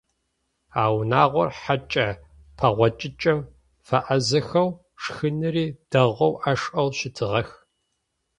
А унагъор хьэкӏэ пэгъокӏыкӏэм фэӏазэхэу, шхыныри дэгъоу ашӏэу щытыгъэх.